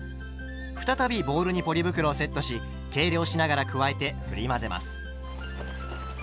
再びボウルにポリ袋をセットし計量しながら加えてふり混ぜます。